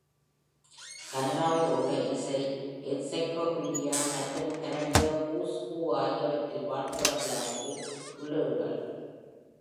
கனடாவில் உள்ள இசை என்சைக்ளோபீடியோ மற்றும் கனடிய Who’s Who ஆகியவற்றில் வாழ்க்கை வரலாற்று உள்ளீடுகள்.